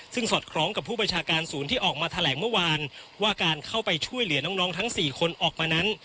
ซึ่งสอดคล้องกับผู้บัญชาการศูนย์ที่ออกมาแถลงเมื่อวานว่าการเข้าไปช่วยเหลือน้องทั้ง๔คนออกมานั้น